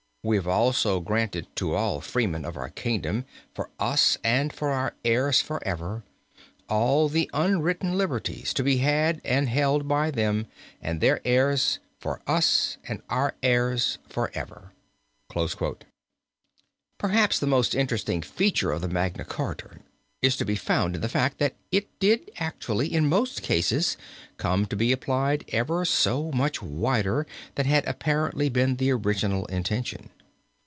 We have also granted to all freemen of our kingdom, for us and for our heirs for ever, all the underwritten liberties, to be had and held by them and their heirs, of us and our heirs for ever." Perhaps the most interesting feature of Magna Charta is to be found in the fact, that it did actually in most cases come to be applied ever so much wider than had apparently been the original intention.